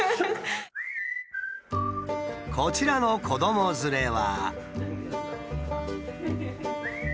こちらの子ども連れは。